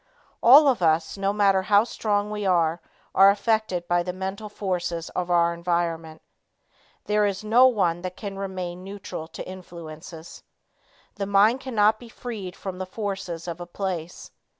All of us no matter how strong we are, are affected by the mental forces of our environment. There is no one that can remain neutral to influences. The mind cannot be freed from the forces of a place.